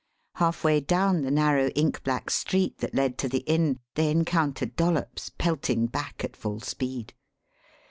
Halfway down the narrow, ink black street that led to the inn they encountered Dollops pelting back at full speed.